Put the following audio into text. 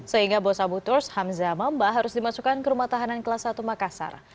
sehingga bos abu turs hamzah mamba harus dimasukkan ke rumah tahanan kelas satu makassar